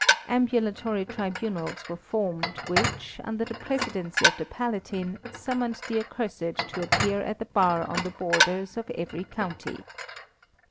Ambulatory tribunals were formed which, under the presidency of the Palatine, summoned the accused to appear at the bar on the borders of every county.